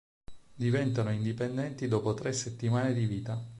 Diventano indipendenti dopo tre settimane di vita.